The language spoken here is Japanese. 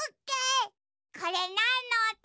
これなんのおと？